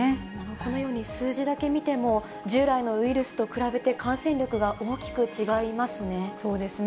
このように数字だけ見ても、従来のウイルスと比べて感染力が大きく違いますね。